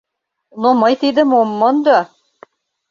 Но мый тидым ом мондо!